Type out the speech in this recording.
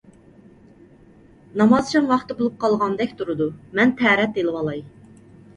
ناماز شام ۋاقتى بولۇپ قالغاندەك تۇرىدۇ، مەن تەرەت ئېلىۋالاي.